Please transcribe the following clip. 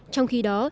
trong khi đó